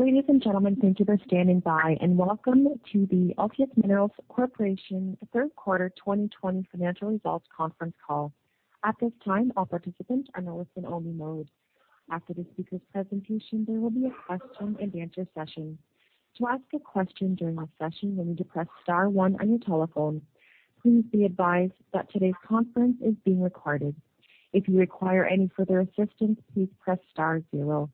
Ladies and gentlemen,, thank you for standing by, and welcome to the Altius Minerals Corporation Third Quarter 2020 Financial Results Conference Call. At this time, all participants are in listen only mode. After the speaker's presentation, there will be a question and answer session. To ask a question during that session, you need to press star one on your telephone. Please be advised that today's conference is being recorded. If you require any further assistance, please press star zero.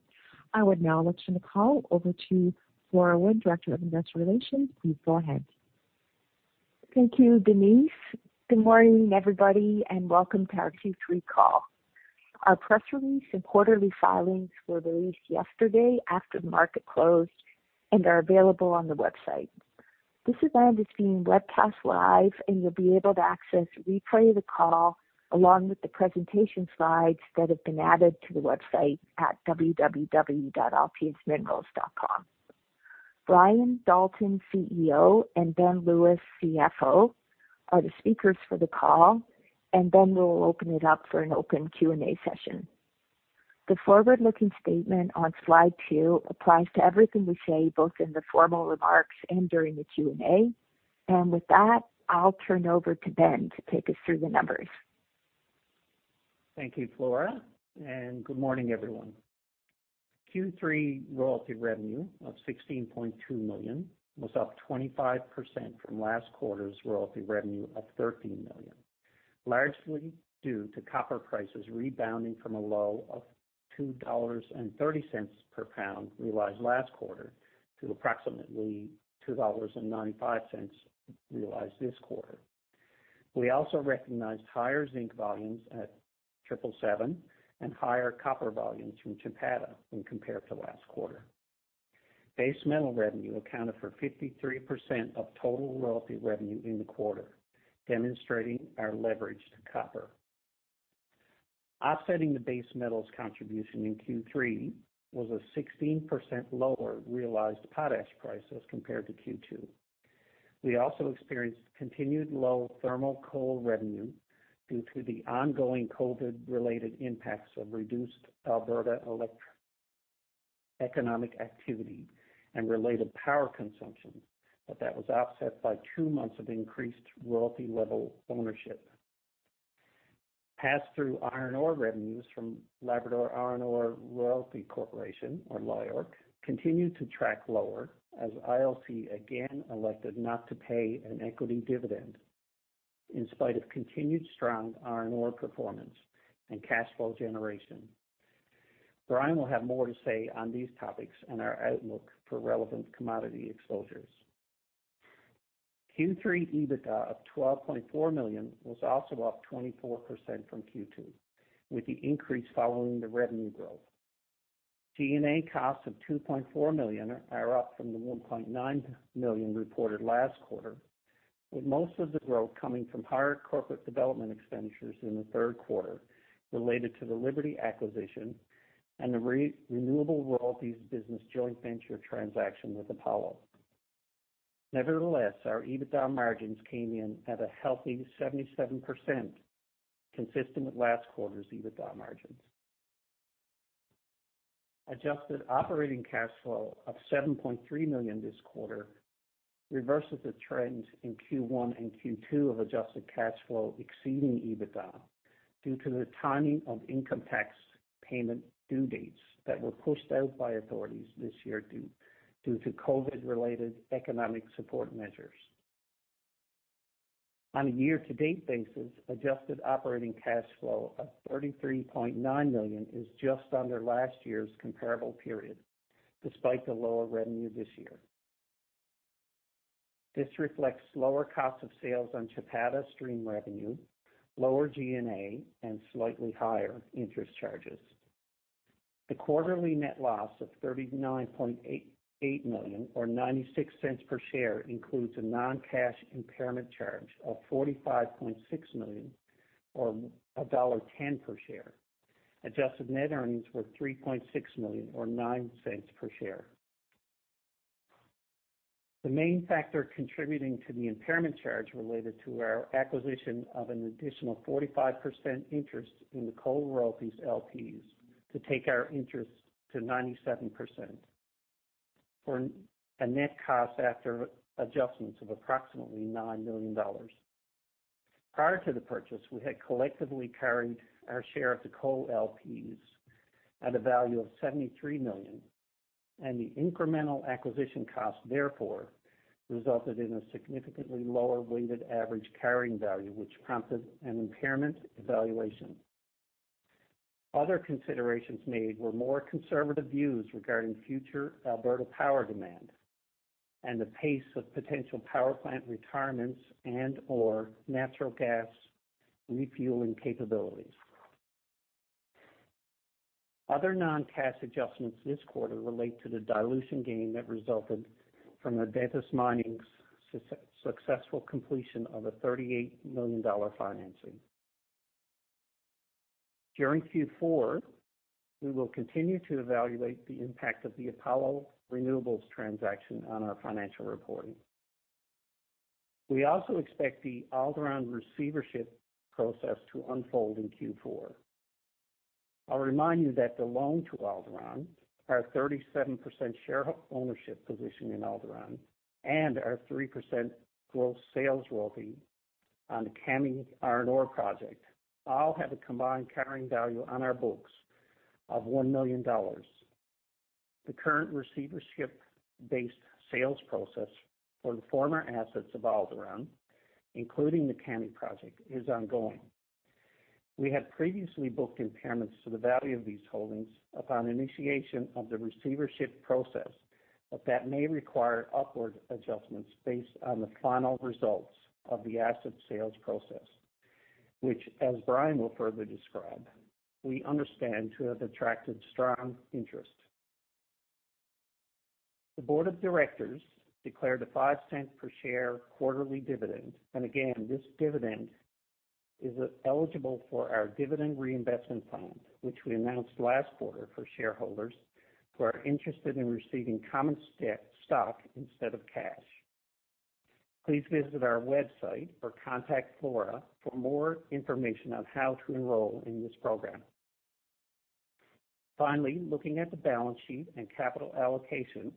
I would now like to turn the call over to Flora Wood, Director of Investor Relations. Please go ahead. Thank you, Denise. Good morning, everybody, and welcome to our Q3 call. Our press release and quarterly filings were released yesterday after the market closed and are available on the website. This event is being webcast live, and you'll be able to access a replay of the call along with the presentation slides that have been added to the website at www.altiusminerals.com. Brian Dalton, CEO, and Ben Lewis, CFO, are the speakers for the call, and then we'll open it up for an open Q&A session. The forward-looking statement on slide two applies to everything we say, both in the formal remarks and during the Q&A. With that, I'll turn over to Ben to take us through the numbers. Thank you, Flora, and good morning, everyone. Q3 royalty revenue of 16.2 million was up 25% from last quarter's royalty revenue of 13 million, largely due to copper prices rebounding from a low of 2.30 dollars per GBP realized last quarter to approximately 2.95 dollars realized this quarter. We also recognized higher zinc volumes at 777 Mine and higher copper volumes from Chapada when compared to last quarter. Base metal revenue accounted for 53% of total royalty revenue in the quarter, demonstrating our leverage to copper. Offsetting the base metals contribution in Q3 was a 16% lower realized potash price as compared to Q2. We also experienced continued low thermal coal revenue due to the ongoing COVID-related impacts of reduced Alberta electric economic activity and related power consumption, but that was offset by two months of increased royalty level ownership. Pass through iron ore revenues from Labrador Iron Ore Royalty Corporation, or LIORC, continued to track lower as IOC again elected not to pay an equity dividend in spite of continued strong iron ore performance and cash flow generation. Brian will have more to say on these topics and our outlook for relevant commodity exposures. Q3 EBITDA of 12.4 million was also up 24% from Q2, with the increase following the revenue growth. G&A costs of 2.4 million are up from the 1.9 million reported last quarter, with most of the growth coming from higher corporate development expenditures in the third quarter related to the Liberty acquisition and the renewable royalties business joint venture transaction with Apollo. Nevertheless, our EBITDA margins came in at a healthy 77%, consistent with last quarter's EBITDA margins. Adjusted operating cash flow of 7.3 million this quarter reverses the trend in Q1 and Q2 of adjusted cash flow exceeding EBITDA due to the timing of income tax payment due dates that were pushed out by authorities this year due to COVID-related economic support measures. On a year-to-date basis, adjusted operating cash flow of 33.9 million is just under last year's comparable period, despite the lower revenue this year. This reflects lower cost of sales on Chapada stream revenue, lower G&A, and slightly higher interest charges. The quarterly net loss of 39.8 million, or 0.96 per share, includes a non-cash impairment charge of 45.6 million or dollar 1.10 per share. Adjusted net earnings were 3.6 million or 0.09 per share. The main factor contributing to the impairment charge related to our acquisition of an additional 45% interest in the Coal Royalties LPs to take our interest to 97% for a net cost after adjustments of approximately 9 million dollars. Prior to the purchase, we had collectively carried our share of the Coal LPs at a value of 73 million, and the incremental acquisition cost therefore resulted in a significantly lower weighted average carrying value, which prompted an impairment evaluation. Other considerations made were more conservative views regarding future Alberta power demand and the pace of potential power plant retirements and/or natural gas refueling capabilities. Other non-cash adjustments this quarter relate to the dilution gain that resulted from Adventus Mining's successful completion of a 38 million dollar financing. During Q4, we will continue to evaluate the impact of the Apollo renewables transaction on our financial reporting. We also expect the Alderon receivership process to unfold in Q4. I will remind you that the loan to Alderon, our 37% share ownership position in Alderon, and our 3% gross sales royalty on the Kami iron ore project all have a combined carrying value on our books of 1 million dollars. The current receivership-based sales process for the former assets of Alderon, including the Kami project, is ongoing. We had previously booked impairments to the value of these holdings upon initiation of the receivership process. That may require upward adjustments based on the final results of the asset sales process, which, as Brian will further describe, we understand to have attracted strong interest. The board of directors declared a 0.05 per share quarterly dividend. Again, this dividend is eligible for our dividend reinvestment plan, which we announced last quarter for shareholders who are interested in receiving common stock instead of cash. Please visit our website or contact Flora for more information on how to enroll in this program. Finally, looking at the balance sheet and capital allocation,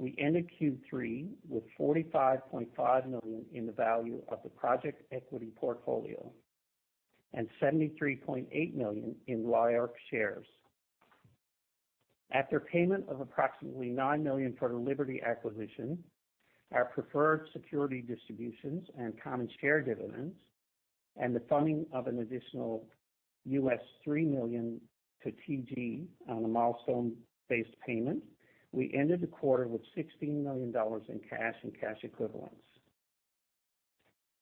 we ended Q3 with 45.5 million in the value of the project equity portfolio and 73.8 million in LIORC shares. After payment of approximately 9 million for the Liberty acquisition, our preferred security distributions and common share dividends, and the funding of an additional $3 million to TGE on a milestone-based payment, we ended the quarter with 16 million dollars in cash and cash equivalents.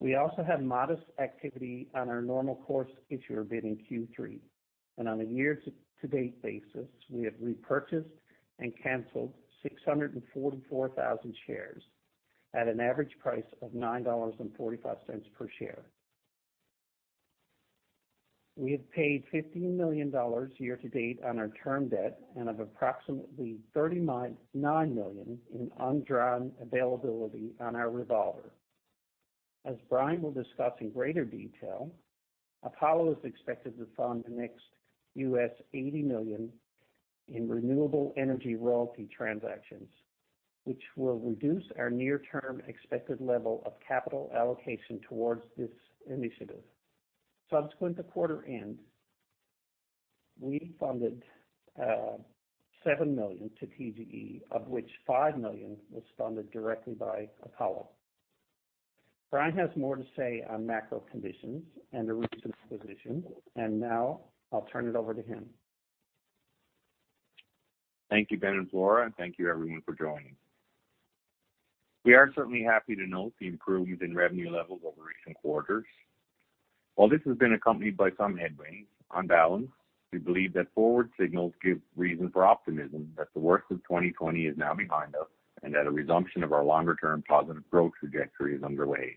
We also had modest activity on our normal course issuer bid in Q3. On a year-to-date basis, we have repurchased and canceled 644,000 shares at an average price of 9.45 dollars per share. We have paid 15 million dollars year to date on our term debt and have approximately 39 million in undrawn availability on our revolver. As Brian will discuss in greater detail, Apollo is expected to fund the next $80 million in renewable energy royalty transactions, which will reduce our near-term expected level of capital allocation towards this initiative. Subsequent to quarter end, we funded 7 million to TGE, of which 5 million was funded directly by Apollo. Brian has more to say on macro conditions and the recent position. Now I'll turn it over to him. Thank you, Ben and Flora, and thank you, everyone, for joining. We are certainly happy to note the improvements in revenue levels over recent quarters. While this has been accompanied by some headwinds, on balance, we believe that forward signals give reason for optimism that the worst of 2020 is now behind us and that a resumption of our longer-term positive growth trajectory is underway.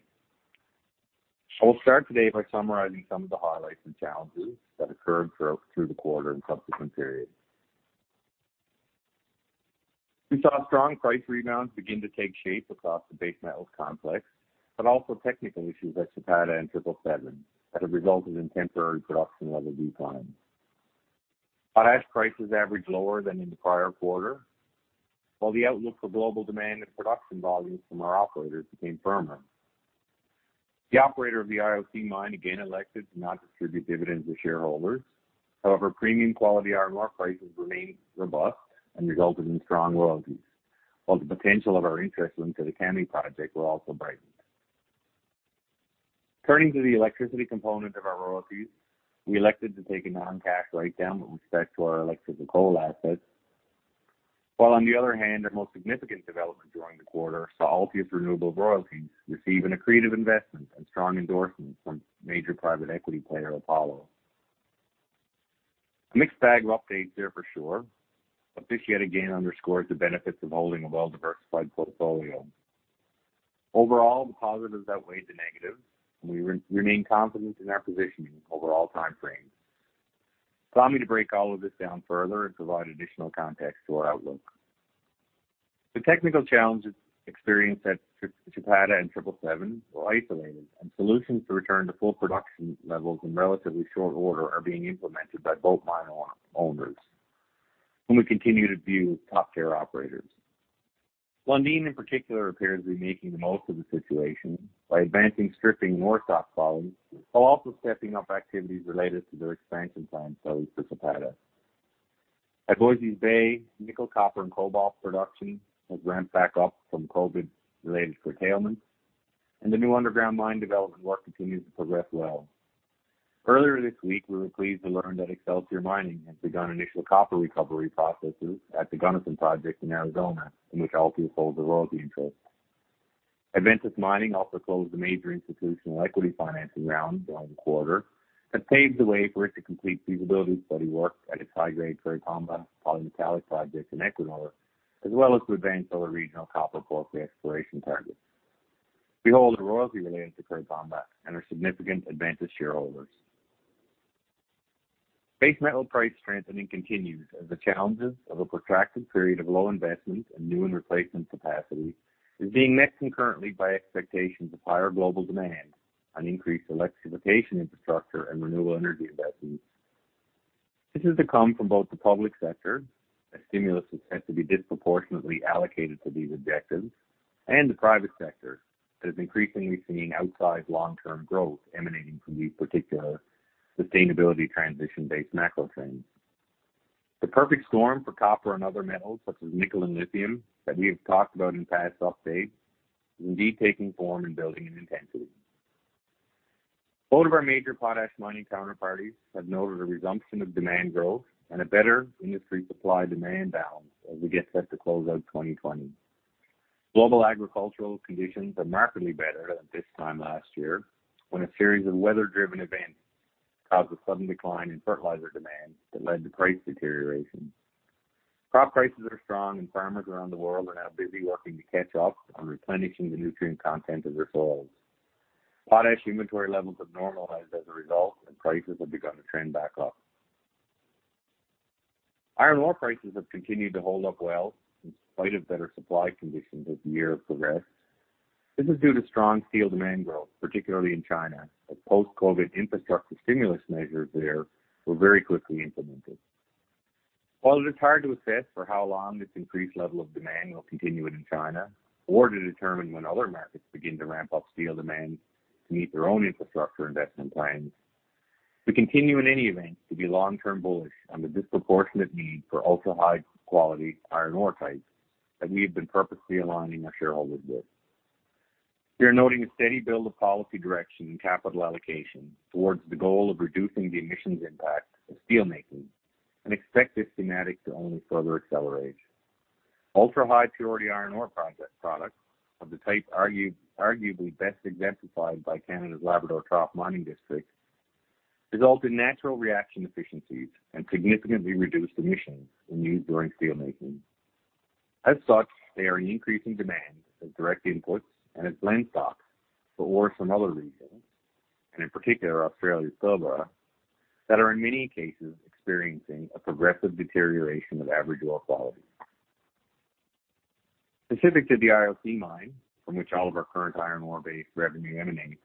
I will start today by summarizing some of the highlights and challenges that occurred throughout the quarter and subsequent periods. We saw strong price rebounds begin to take shape across the base metals complex, but also technical issues at Chapada and Triple Seven that have resulted in temporary production level declines. Our ash prices averaged lower than in the prior quarter, while the outlook for global demand and production volumes from our operators became firmer. The operator of the IOC mine again elected to not distribute dividends to shareholders. Premium quality iron ore prices remained robust and resulted in strong royalties, while the potential of our interest into the Kami project will also brighten. Turning to the electricity component of our royalties, we elected to take a non-cash write-down with respect to our electrical coal assets. While on the other hand, our most significant development during the quarter saw Altius Renewable Royalties receiving accretive investment and strong endorsement from major private equity player, Apollo. A mixed bag of updates there for sure, this yet again underscores the benefits of holding a well-diversified portfolio. Overall, the positives outweigh the negatives, we remain confident in our positioning over all time frames. Allow me to break all of this down further and provide additional context to our outlook. The technical challenges experienced at Chapada and 777 Mine were isolated, solutions to return to full production levels in relatively short order are being implemented by both mine owners, whom we continue to view as top-tier operators. Lundin, in particular, appears to be making the most of the situation by advancing stripping more stock volumes while also stepping up activities related to their expansion plans at Chapada. At Voisey's Bay, nickel, copper, and cobalt production has ramped back up from COVID-related curtailment, the new underground mine development work continues to progress well. Earlier this week, we were pleased to learn that Excelsior Mining has begun initial copper recovery processes at the Gunnison project in Arizona, in which Altius holds a royalty interest. Adventus Mining also closed a major institutional equity financing round during the quarter that paves the way for it to complete feasibility study work at its high-grade Curipamba polymetallic project in Ecuador, as well as to advance other regional copper-gold exploration targets. We hold a royalty related to Curipamba and are significant Adventus shareholders. Base metal price strengthening continues as the challenges of a protracted period of low investment in new and replacement capacity is being met concurrently by expectations of higher global demand on increased electrification infrastructure and renewable energy investments. This is to come from both the public sector, as stimulus is set to be disproportionately allocated to these objectives, and the private sector, that is increasingly seeing outsized long-term growth emanating from these particular sustainability transition-based macro trends. The perfect storm for copper and other metals such as nickel and lithium that we have talked about in past updates, is indeed taking form and building in intensity. Both of our major potash mining counterparties have noted a resumption of demand growth and a better industry supply-demand balance as we get set to close out 2020. Global agricultural conditions are markedly better than at this time last year, when a series of weather-driven events caused a sudden decline in fertilizer demand that led to price deterioration. Crop prices are strong. Farmers around the world are now busy working to catch up on replenishing the nutrient content of their soils. Potash inventory levels have normalized as a result. Prices have begun to trend back up. Iron ore prices have continued to hold up well in spite of better supply conditions as the year has progressed. This is due to strong steel demand growth, particularly in China, as post-COVID infrastructure stimulus measures there were very quickly implemented. While it is hard to assess for how long this increased level of demand will continue in China or to determine when other markets begin to ramp up steel demand to meet their own infrastructure investment plans, we continue in any event to be long-term bullish on the disproportionate need for ultra-high quality iron ore types that we have been purposely aligning our shareholders with. We are noting a steady build of policy direction and capital allocation towards the goal of reducing the emissions impact of steel making and expect this thematic to only further accelerate. Ultra-high purity iron ore products of the type arguably best exemplified by Canada's Labrador trough mining district, result in natural reaction efficiencies and significantly reduced emissions when used during steel making. As such, they are in increasing demand as direct inputs and as blend stocks for ores from other regions, and in particular, Australia's Pilbara, that are in many cases, experiencing a progressive deterioration of average ore quality. Specific to the IOC mine from which all of our current iron ore-based revenue emanates,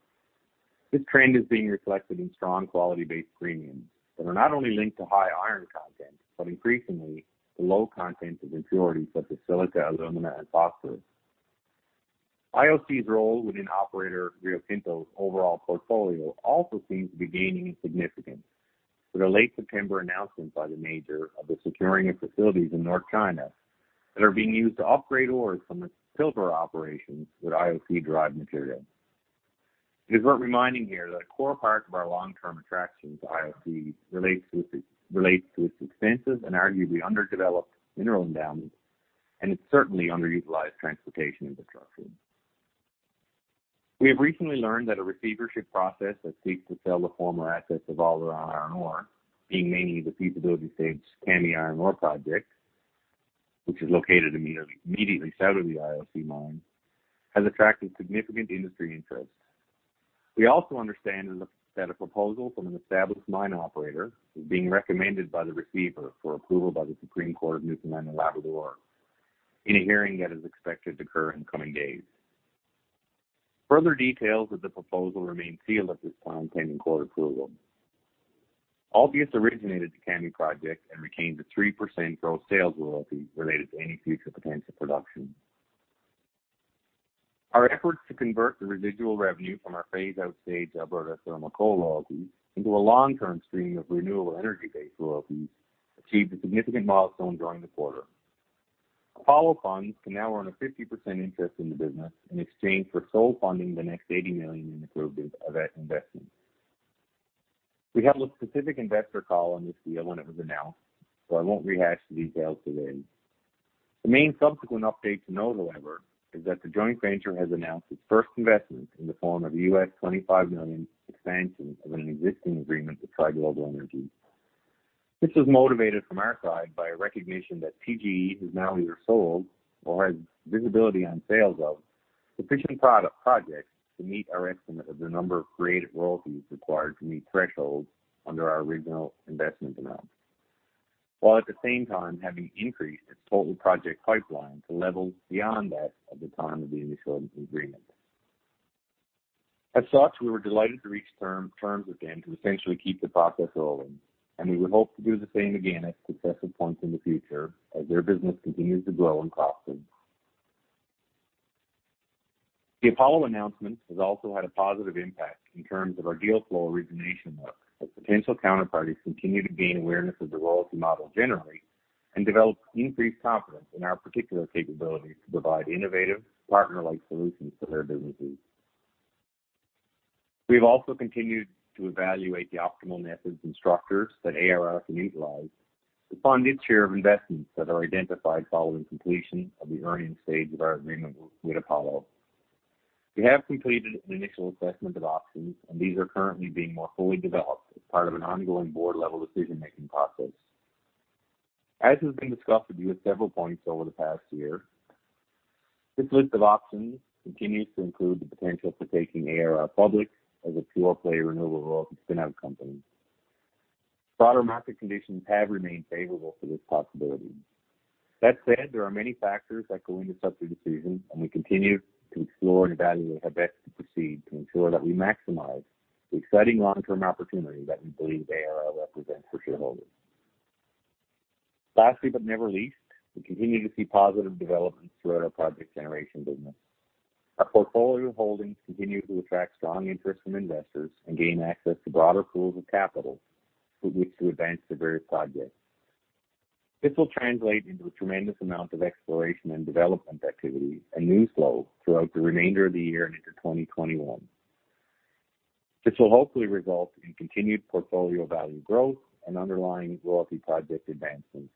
this trend is being reflected in strong quality-based premiums that are not only linked to high iron content, but increasingly, the low content of impurities such as silica, alumina, and phosphorus. IOC's role within operator Rio Tinto's overall portfolio also seems to be gaining in significance, with a late September announcement by the major of it securing of facilities in North China that are being used to upgrade ores from its Pilbara operations with IOC-derived material. It is worth reminding here that a core part of our long-term attraction to IOC relates to its expansive and arguably underdeveloped mineral endowments and its certainly underutilized transportation infrastructure. We have recently learned that a receivership process that seeks to sell the former assets of Alderon Iron Ore, being mainly the feasibility stage Kami Iron Ore Project, which is located immediately south of the IOC mine, has attracted significant industry interest. We also understand that a proposal from an established mine operator is being recommended by the receiver for approval by the Supreme Court of Newfoundland and Labrador in a hearing that is expected to occur in coming days. Further details of the proposal remain sealed at this time, pending court approval. Altius originated the Kami Project and retains a 3% gross sales royalty related to any future potential production. Our efforts to convert the residual revenue from our phased-out stage Alberta Thermal Coal royalties into a long-term stream of renewable energy-based royalties achieved a significant milestone during the quarter. Apollo Funds can now earn a 50% interest in the business in exchange for sole funding the next 80 million in approved investments. We held a specific investor call on this deal when it was announced, so I won't rehash the details today. The main subsequent update to know, however, is that the joint venture has announced its first investment in the form of a $25 million expansion of an existing agreement with Tri Global Energy. This was motivated from our side by a recognition that TGE has now either sold or has visibility on sales of sufficient projects to meet our estimate of the number of created royalties required to meet thresholds under our original investment amount, while at the same time having increased its total project pipeline to levels beyond that at the time of the initial agreement. We were delighted to reach terms with them to essentially keep the process rolling, and we would hope to do the same again at successive points in the future as their business continues to grow and prosper. The Apollo announcement has also had a positive impact in terms of our deal flow origination mix, as potential counterparties continue to gain awareness of the royalty model generally and develop increased confidence in our particular capabilities to provide innovative, partner-like solutions for their businesses. We have also continued to evaluate the optimal methods and structures that ARR can utilize to fund its share of investments that are identified following completion of the earning stage of our agreement with Apollo. We have completed an initial assessment of options, and these are currently being more fully developed as part of an ongoing board-level decision-making process. As has been discussed with you at several points over the past year, this list of options continues to include the potential for taking ARR public as a pure-play renewable energy spin-out company. Broader market conditions have remained favorable for this possibility. That said, there are many factors that go into such a decision, and we continue to explore and evaluate how best to proceed to ensure that we maximize the exciting long-term opportunity that we believe ARR represents for shareholders. Lastly, but never least, we continue to see positive developments throughout our project generation business. Our portfolio of holdings continue to attract strong interest from investors and gain access to broader pools of capital with which to advance the various projects. This will translate into a tremendous amount of exploration and development activity and news flow throughout the remainder of the year and into 2021. This will hopefully result in continued portfolio value growth and underlying royalty project advancements.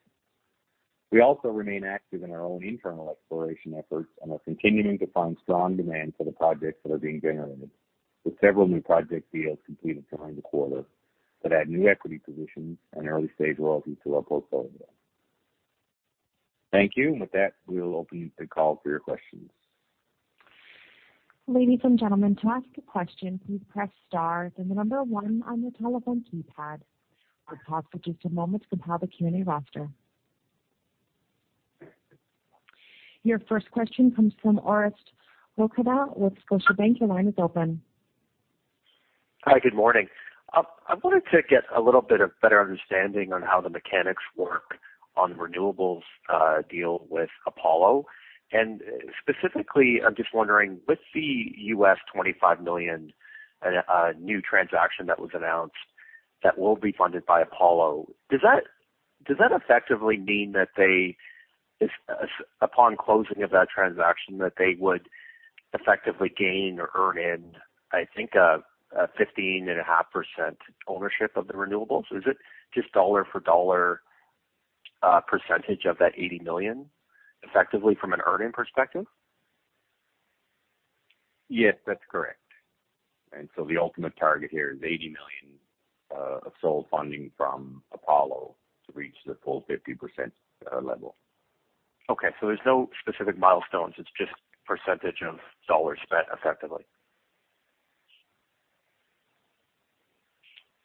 We also remain active in our own internal exploration efforts and are continuing to find strong demand for the projects that are being generated, with several new project deals completed during the quarter that add new equity positions and early-stage royalty to our portfolio. Thank you. With that, we'll open the call for your questions. Ladies and gentlemen, to ask a question, please press star, then the number one on your telephone keypad. Our operator, just a moment, will compile the Q&A roster. Your first question comes from Orest Wowkodaw with Scotiabank. Your line is open. Hi, good morning. I wanted to get a little bit of better understanding on how the mechanics work on renewables deal with Apollo. Specifically, I'm just wondering, with the $25 million new transaction that was announced that will be funded by Apollo, does that effectively mean that upon closing of that transaction, that they would effectively gain or earn in, I think, a 15.5% ownership of the renewables? Is it just dollar for dollar percentage of that $80 million effectively from an earning perspective? Yes, that's correct. The ultimate target here is 80 million of sold funding from Apollo to reach the full 50% level. Okay. There's no specific milestones, it's just % of CAD spent effectively.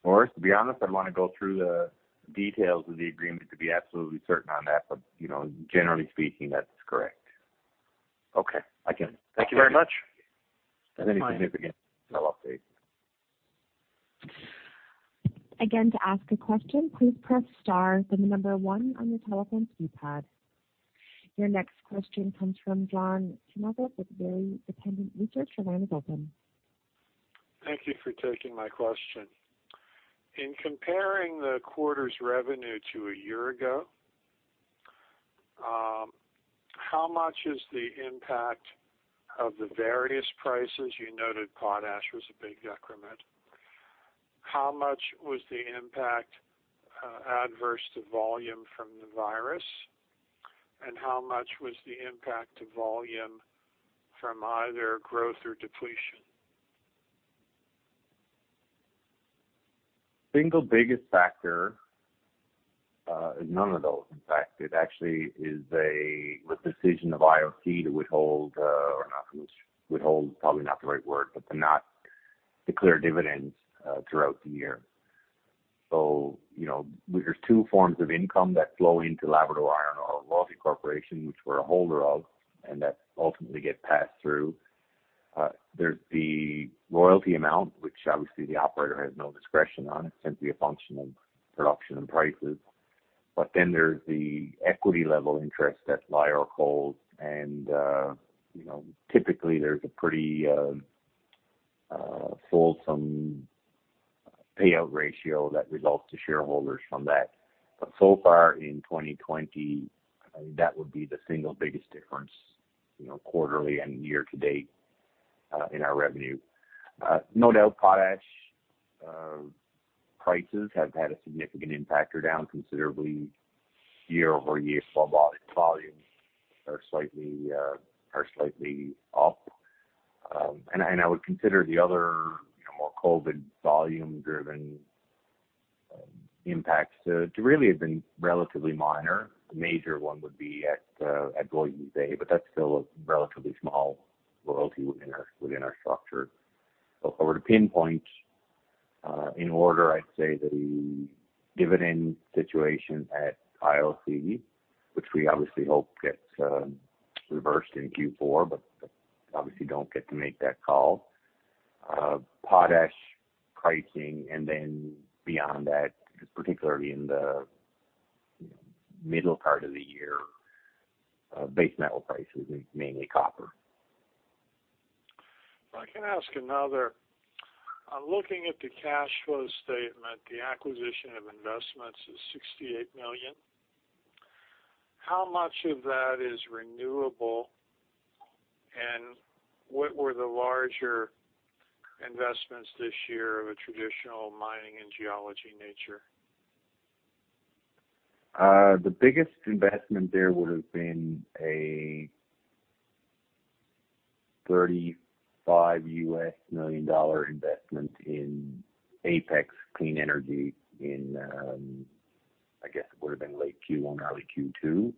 Orest, to be honest, I'd want to go through the details of the agreement to be absolutely certain on that, but generally speaking, that's correct. Okay. Again, thank you very much. If there's any significance, I'll update. Again, to ask a question, please press star, then the number one on your telephone keypad. Your next question comes from John Tumazos with Very Independent Research. Your line is open. Thank you for taking my question. In comparing the quarter's revenue to a year ago, how much is the impact of the various prices? You noted potash was a big decrement. How much was the impact adverse to volume from the COVID, and how much was the impact to volume from either growth or depletion? It actually is a decision of IOC to withhold probably not the right word, but to not declare dividends throughout the year. There's two forms of income that flow into Labrador Iron Ore Royalty Corporation, which we're a holder of, and that ultimately get passed through. There's the royalty amount, which obviously the operator has no discretion on. It's simply a function of production and prices. There's the equity level interest that LIORC holds, and typically, there's a pretty wholesome payout ratio that resolves to shareholders from that. So far in 2020, that would be the single biggest difference quarterly and year to date in our revenue. No doubt, potash prices have had a significant impact, are down considerably year-over-year while volumes are slightly off. I would consider the other, more COVID volume-driven impacts to really have been relatively minor. The major one would be at Wabush A, but that's still a relatively small royalty within our structure. If I were to pinpoint, in order, I'd say the dividend situation at IOC, which we obviously hope gets reversed in Q4, but obviously don't get to make that call. Potash pricing, and then beyond that, particularly in the middle part of the year, base metal prices, mainly copper. If I can ask another. I am looking at the cash flow statement. The acquisition of investments is 68 million. How much of that is renewable, and what were the larger investments this year of a traditional mining and geology nature? The biggest investment there would have been a $35 million investment in Apex Clean Energy in late Q1, early Q2. We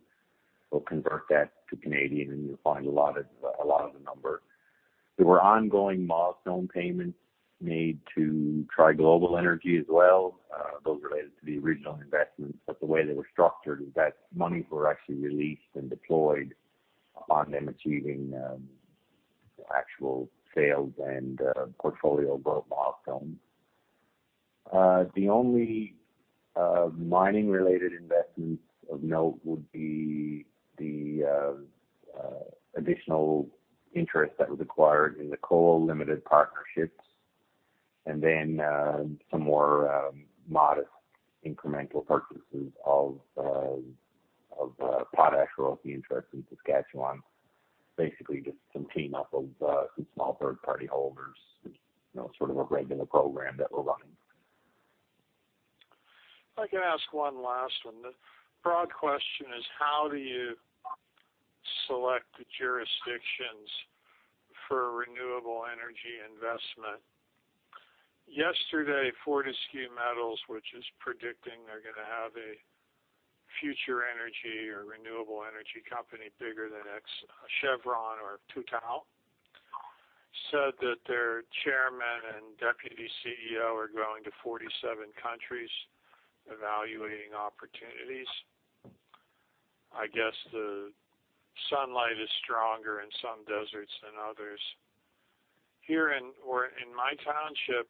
will convert that to CAD, you will find a lot of the number. There were ongoing milestone payments made to Tri Global Energy as well. Those related to the original investments, the way they were structured is that monies were actually released and deployed on them achieving actual sales and portfolio build milestones. The only mining-related investments of note would be the additional interest that was acquired in the coal limited partnerships, then some more modest incremental purchases of potash royalty interests in Saskatchewan. Basically, just some team up of some small third-party holders. Sort of a regular program that we are running. If I can ask one last one. The broad question is, how do you select the jurisdictions for renewable energy investment? Yesterday, Fortescue Metals, which is predicting they're going to have a future energy or renewable energy company bigger than Chevron or Total, said that their chairman and deputy CEO are going to 47 countries evaluating opportunities. I guess the sunlight is stronger in some deserts than others. Here in my township,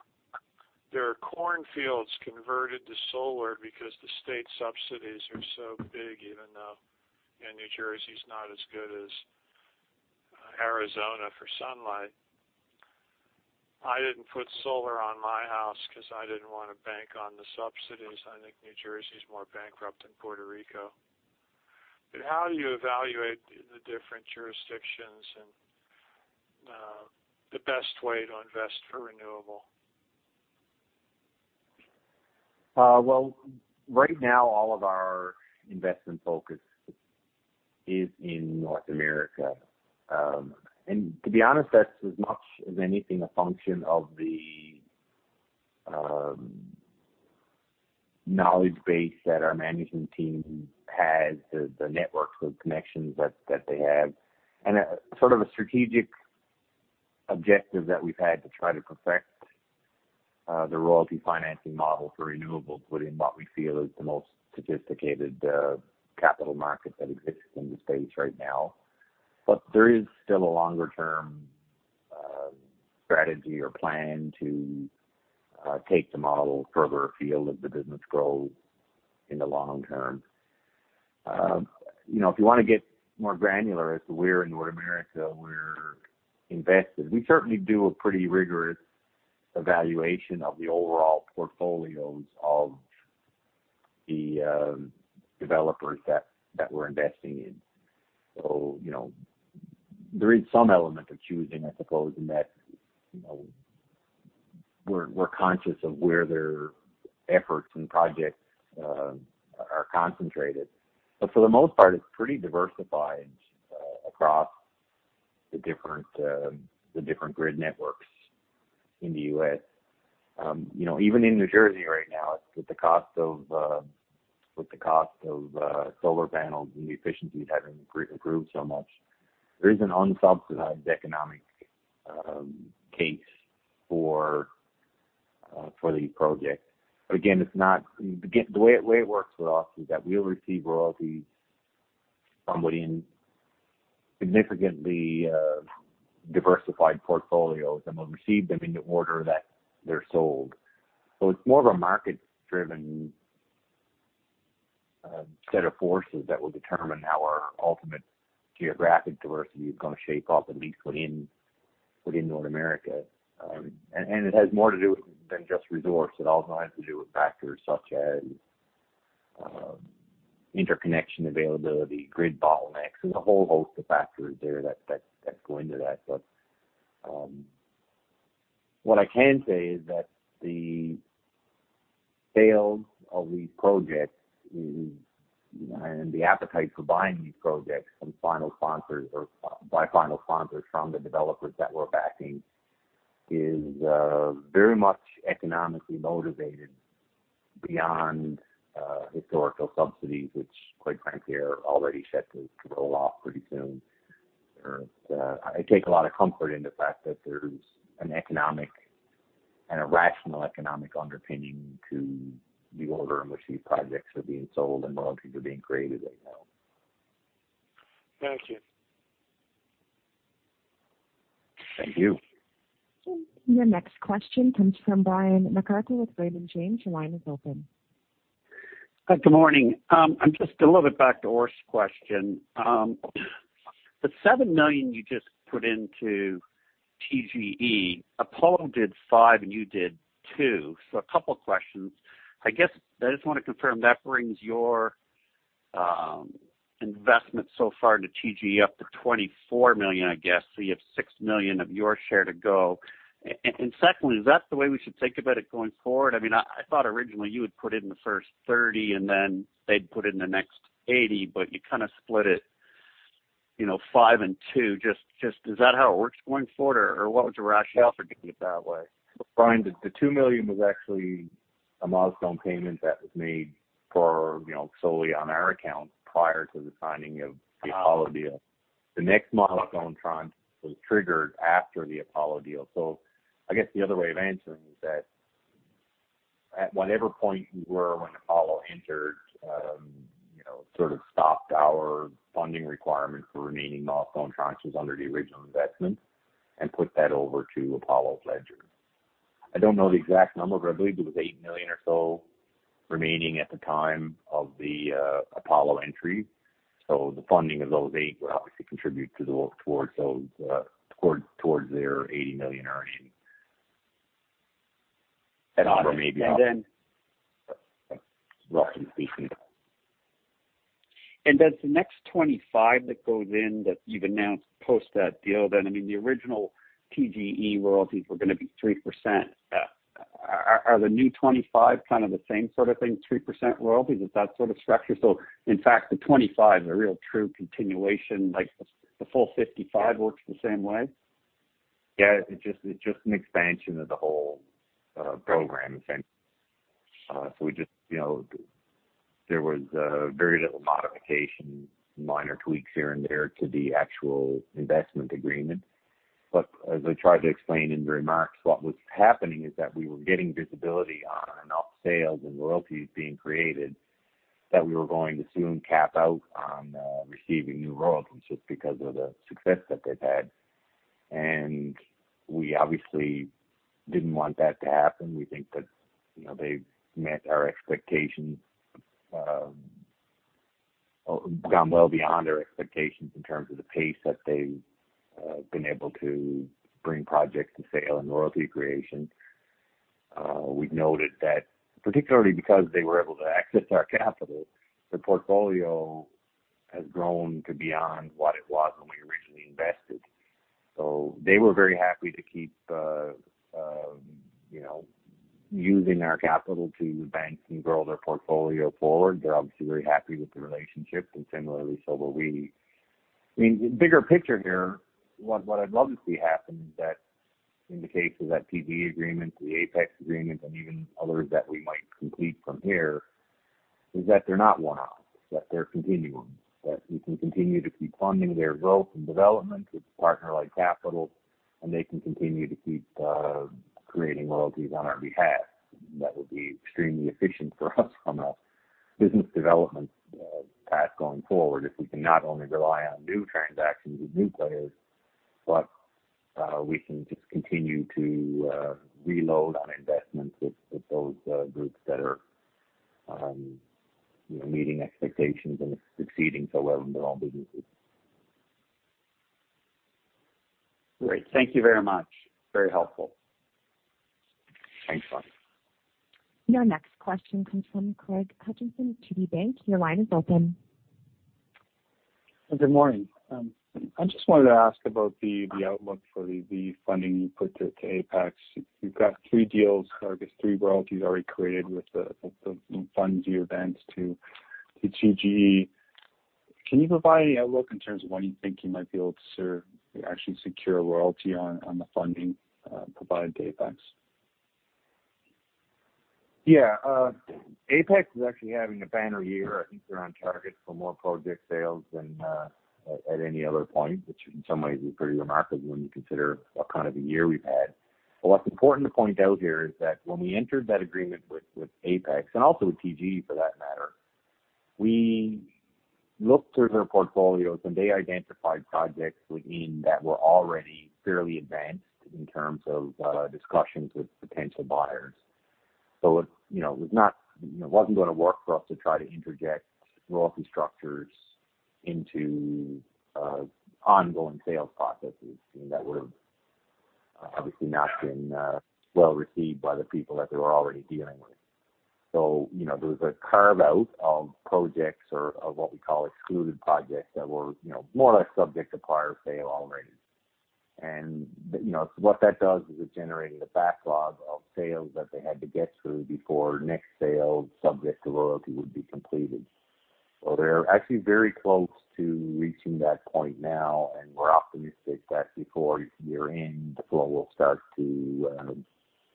there are corn fields converted to solar because the state subsidies are so big, even though New Jersey is not as good as Arizona for sunlight. I didn't put solar on my house because I didn't want to bank on the subsidies. I think New Jersey is more bankrupt than Puerto Rico. How do you evaluate the different jurisdictions and the best way to invest for renewable? Well, right now, all of our investment focus is in North America. To be honest, that's as much as anything, a function of the knowledge base that our management team has, the networks of connections that they have, and sort of a strategic objective that we've had to try to perfect the royalty financing model for renewables within what we feel is the most sophisticated capital market that exists in the space right now. There is still a longer-term strategy or plan to take the model further afield if the business grows in the long term. If you want to get more granular as to where in North America we're invested, we certainly do a pretty rigorous evaluation of the overall portfolios of the developers that we're investing in. There is some element of choosing, I suppose, in that we're conscious of where their efforts and projects are concentrated. For the most part, it's pretty diversified across the different grid networks in the U.S. Even in New Jersey right now, with the cost of solar panels and the efficiencies having improved so much, there is an unsubsidized economic case for the project. Again, the way it works with us is that we'll receive royalties from within significantly diversified portfolios, and we'll receive them in the order that they're sold. It's more of a market-driven set of forces that will determine how our ultimate geographic diversity is going to shake off and be put in North America. It has more to do than just resource. It also has to do with factors such as interconnection availability, grid bottlenecks, and a whole host of factors there that go into that. What I can say is that the sales of these projects and the appetite for buying these projects by final sponsors from the developers that we are backing is very much economically motivated beyond historical subsidies, which quite frankly, are already set to roll off pretty soon. I take a lot of comfort in the fact that there is an economic and a rational economic underpinning to the order in which these projects are being sold and royalties are being created right now. Thank you. Thank you. Your next question comes from Brian MacArthur with Raymond James. Your line is open. Good morning. Just a little bit back to Orest question. The 7 million you just put into TGE, Apollo did 5 million and you did 2 million. A couple of questions. I guess I just want to confirm that brings your investment so far to TGE up to 24 million, I guess. You have 6 million of your share to go. Secondly, is that the way we should think about it going forward? I thought originally you would put in the first 30 million, and then they'd put in the next 80 million, but you kind of split it 5 million and 2 million. Is that how it works going forward? What was the rationale for doing it that way? Brian, the 2 million was actually a milestone payment that was made for solely on our account prior to the signing of the Apollo deal. The next milestone tranche was triggered after the Apollo deal. I guess the other way of answering is that at whatever point we were when Apollo entered, sort of stopped our funding requirement for remaining milestone tranches under the original investment and put that over to Apollo's ledger. I don't know the exact number, but I believe it was 8 million or so remaining at the time of the Apollo entry. The funding of those eight would obviously contribute to the work towards their CAD 80 million earning. And then- Roughly speaking. Does the next 25 that goes in that you've announced post that deal then, I mean, the original TGE royalties were going to be 3%. Are the new 25 kind of the same sort of thing, 3% royalties? Is that sort of structure? In fact, the 25 is a real true continuation, like the full 55 works the same way? Yeah, it's just an expansion of the whole program. There was very little modification, minor tweaks here and there to the actual investment agreement. As I tried to explain in the remarks, what was happening is that we were getting visibility on enough sales and royalties being created that we were going to soon cap out on receiving new royalties just because of the success that they've had. We obviously didn't want that to happen. We think that they've met our expectations, gone well beyond our expectations in terms of the pace that they've been able to bring projects to sale and royalty creation. We've noted that particularly because they were able to access our capital, the portfolio has grown to beyond what it was when we originally invested. They were very happy to keep using our capital to bank and grow their portfolio forward. They're obviously very happy with the relationship, and similarly so were we. I mean, bigger picture here, what I'd love to see happen is that in the case of that TGE agreement, the Apex agreement, and even others that we might complete from here, is that they're not one-offs, that they're continuums. That we can continue to keep funding their growth and development with a partner like Capital, and they can continue to keep creating royalties on our behalf. That would be extremely efficient for us on a business development path going forward, if we can not only rely on new transactions with new players, but we can just continue to reload on investments with those groups that are meeting expectations and succeeding so well in their own businesses. Great. Thank you very much. Very helpful. Thanks, Brian. Your next question comes from Craig Hutchison, TD Securities. Your line is open. Good morning. I just wanted to ask about the outlook for the funding you put to Apex. You've got three deals, or I guess three royalties already created with the funds you advanced to TGE. Can you provide any outlook in terms of when you think you might be able to actually secure a royalty on the funding provided to Apex? Yeah. Apex is actually having a banner year. I think they're on target for more project sales than at any other point, which in some ways is pretty remarkable when you consider what kind of a year we've had. What's important to point out here is that when we entered that agreement with Apex, and also with TGE for that matter, we looked through their portfolios and they identified projects within that were already fairly advanced in terms of discussions with potential buyers. It wasn't going to work for us to try to interject royalty structures into ongoing sales processes. That would have obviously not been well received by the people that they were already dealing with. There was a carve-out of projects or of what we call excluded projects that were more or less subject to prior sale already. What that does is it generated a backlog of sales that they had to get through before next sale subject to royalty would be completed. They're actually very close to reaching that point now, and we're optimistic that before year-end, the flow will start to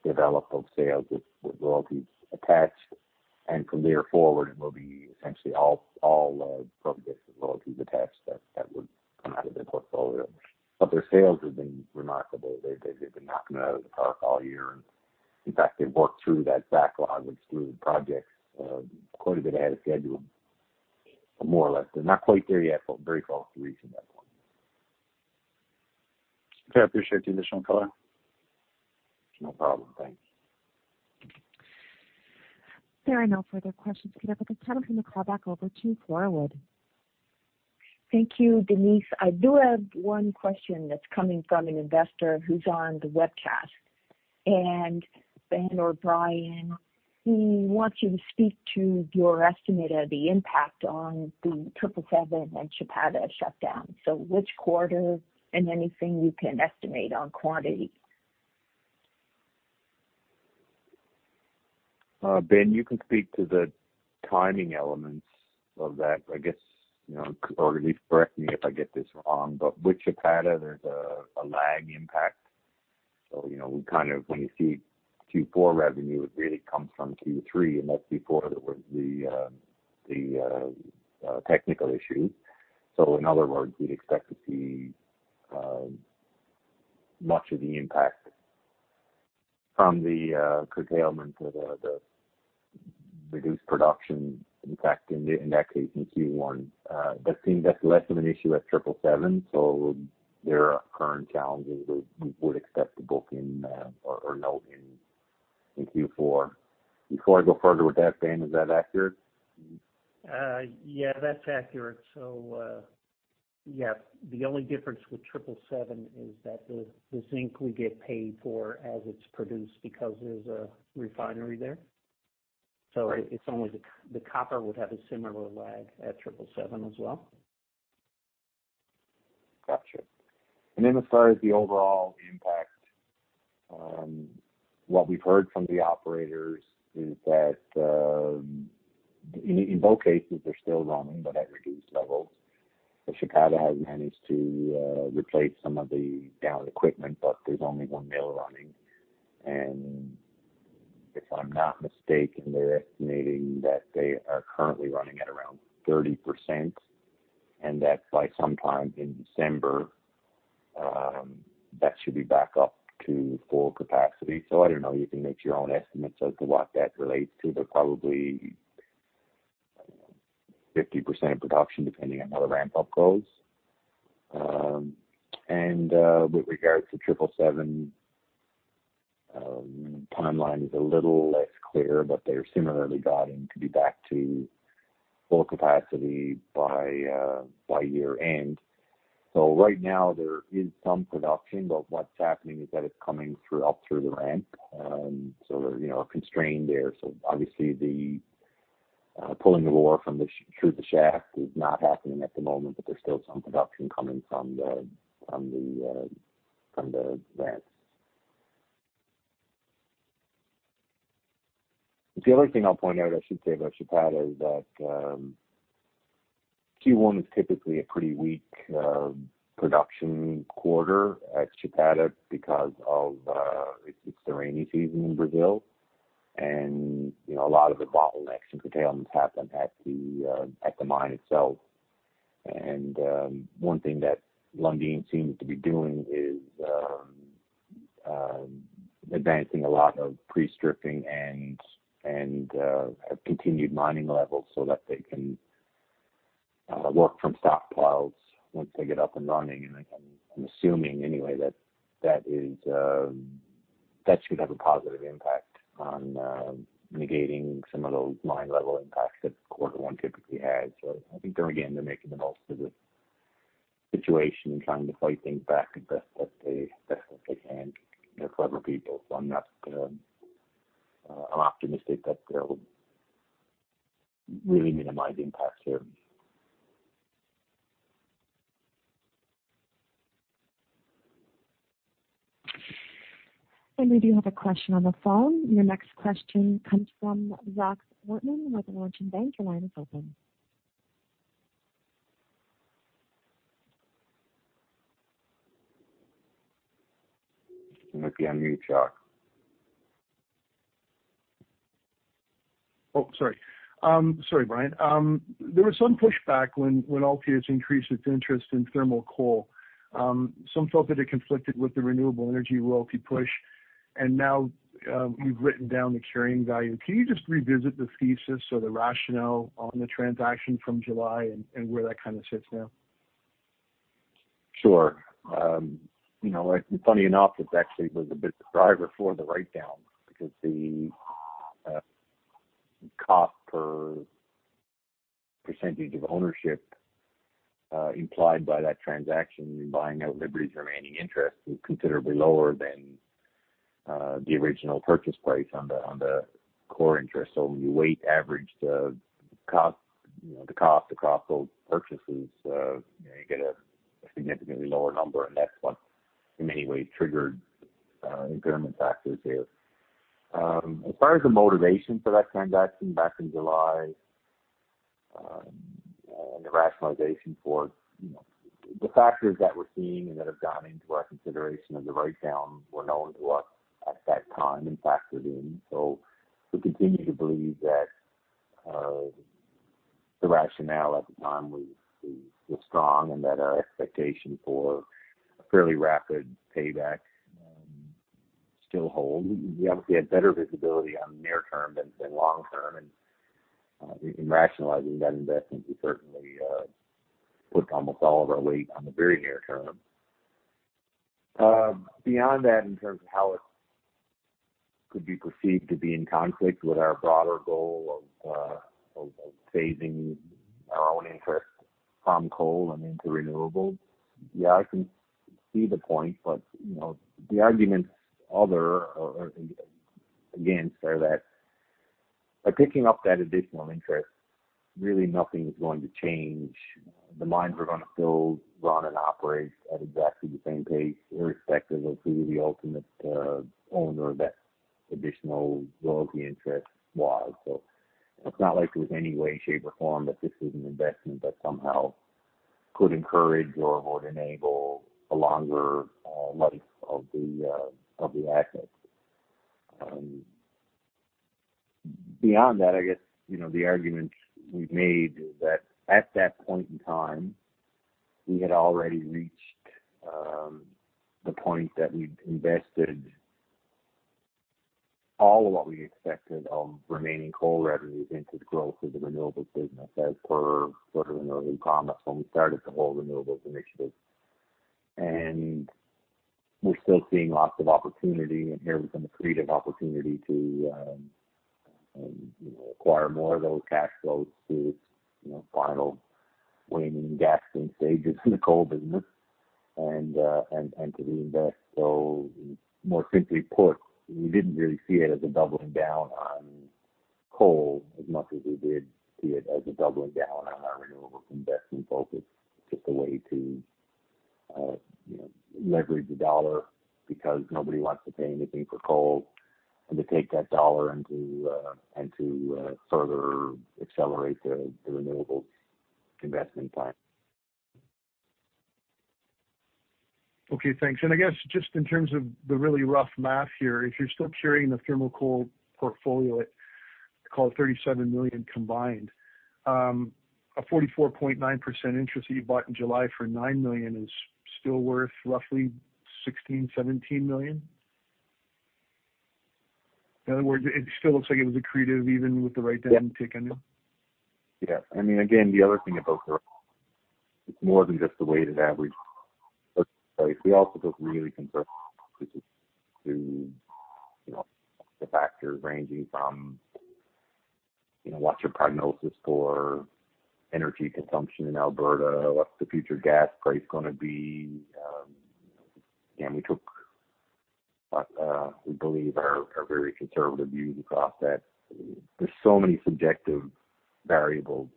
develop those sales with royalties attached, and from there forward, it will be essentially all projects with royalties attached that would come out of their portfolio. Their sales have been remarkable. They've been knocking it out of the park all year, and in fact, they've worked through that backlog of excluded projects quite a bit ahead of schedule, more or less. They're not quite there yet, but very close to reaching that point. Okay. I appreciate the additional color. No problem. Thanks. There are no further questions, Peter. At this time, I'm going to call back over to Flora Wood. Thank you, Denise. I do have one question that's coming from an investor who's on the webcast. Ben or Brian, he wants you to speak to your estimate of the impact on the 777 and Chapada shutdown. Which quarter, and anything you can estimate on quantity? Ben, you can speak to the timing elements of that, I guess, or at least correct me if I get this wrong. With Chapada, there's a lag impact. When you see Q4 revenue, it really comes from Q3, and that's before there was the technical issue. In other words, we'd expect to see much of the impact from the curtailment of the reduced production impact in that case in Q1. That's less of an issue at 777 Mine. There are current challenges that we would expect to book in or note in Q4. Before I go further with that, Ben, is that accurate? Yeah, that's accurate. Yep. The only difference with 777 Mine is that the zinc we get paid for as it's produced because there's a refinery there. Right. It's only the copper would have a similar lag at 777 Mine as well. Got you. As far as the overall impact, what we've heard from the operators is that, in both cases, they're still running but at reduced levels. Chapada has managed to replace some of the downed equipment, but there's only one mill running, and if I'm not mistaken, they're estimating that they are currently running at around 30%, and that by sometime in December, that should be back up to full capacity. I don't know. You can make your own estimates as to what that relates to, but probably 50% production, depending on how the ramp-up goes. With regards to Triple Seven, timeline is a little less clear, but they're similarly guiding to be back to full capacity by year-end. Right now there is some production, but what's happening is that it's coming up through the ramp. They're constrained there. Obviously the pulling the ore through the shaft is not happening at the moment, but there's still some production coming from the ramps. The other thing I'll point out, I should say, about Chapada is that Q1 is typically a pretty weak production quarter at Chapada because it's the rainy season in Brazil. A lot of the bottlenecks and curtailments happen at the mine itself. One thing that Lundin seems to be doing is advancing a lot of pre-stripping and have continued mining levels so that they can work from stockpiles once they get up and running. I'm assuming anyway that should have a positive impact on negating some of those mine level impacts that quarter one typically has. I think there again, they're making the most of the situation and trying to fight things back as best as they can. They're clever people. I'm optimistic that they'll really minimize the impacts here. We do have a question on the phone. Your next question comes from Jacques Wortman with Laurentian Bank. Your line is open. You might be on mute, Jacques. Oh, sorry. Sorry, Brian. There was some pushback when Altius increased its interest in thermal coal. Some felt that it conflicted with the renewable energy royalty push. Now you've written down the carrying value. Can you just revisit the thesis or the rationale on the transaction from July and where that kind of sits now? Sure. Funny enough, it actually was a bit the driver for the write-down because the cost per percentage of ownership implied by that transaction in buying out Liberty's remaining interest was considerably lower than the original purchase price on the core interest. When you weight average the cost across those purchases, you get a significantly lower number, and that's what, in many ways, triggered impairment factors here. As far as the motivation for that transaction back in July, and the rationalization for the factors that we're seeing and that have gone into our consideration of the write-down were known to us at that time and factored in. We continue to believe that the rationale at the time was strong and that our expectation for a fairly rapid payback still holds. We obviously had better visibility on the near term than long term, and in rationalizing that investment, we certainly put almost all of our weight on the very near term. Beyond that, in terms of how it could be perceived to be in conflict with our broader goal of phasing our own interest from coal and into renewables. Yeah, I can see the point, but the arguments other or against are that by picking up that additional interest. Really nothing's going to change. The mines are going to build, run, and operate at exactly the same pace, irrespective of who the ultimate owner of that additional royalty interest was. It's not like there was any way, shape, or form that this was an investment that somehow could encourage or enable a longer life of the assets. Beyond that, I guess, the arguments we've made is that at that point in time, we had already reached the point that we'd invested all of what we expected of remaining coal revenues into the growth of the renewables business as per sort of an early promise when we started the whole renewables initiative. We're still seeing lots of opportunity, and here was an accretive opportunity to acquire more of those cash flows through final waning gasping stages in the coal business and to reinvest. More simply put, we didn't really see it as a doubling down on coal as much as we did see it as a doubling down on our renewables investment focus. Just a way to leverage a dollar because nobody wants to pay anything for coal and to take that dollar and to further accelerate the renewables investment plan. Okay, thanks. I guess just in terms of the really rough math here, if you're still carrying the thermal coal portfolio at call it 37 million combined, a 44.9% interest that you bought in July for 9 million is still worth roughly 16 million, 17 million? In other words, it still looks like it was accretive even with the write-down taken? Again, the other thing about it's more than just the weighted average. We also took really conservative approaches to the factors ranging from what's your prognosis for energy consumption in Alberta? What's the future gas price going to be? We took what we believe are very conservative views across that. There's so many subjective variables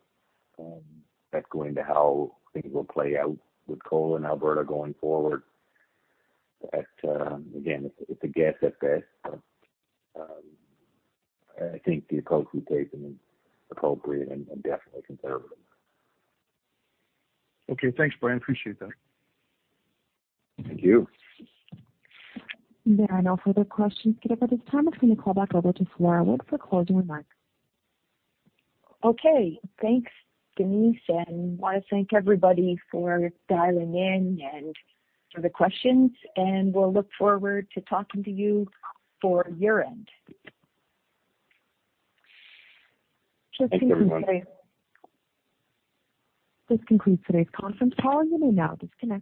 that go into how things will play out with coal in Alberta going forward that, again, it's a guess at best. I think the approach we've taken is appropriate and definitely conservative. Okay, thanks, Brian. Appreciate that. Thank you. There are no further questions. At this time, I'm going to call back over to Flora Wood for closing remarks. Okay, thanks, Denise. Want to thank everybody for dialing in and for the questions. We'll look forward to talking to you for year-end. Thanks, everyone. This concludes today's conference call. You may now disconnect.